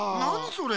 それ。